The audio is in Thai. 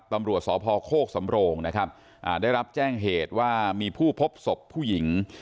ตำรวจสพโคกสำโรงนะครับได้รับแจ้งเหตุว่ามีผู้พบศพผู้หญิง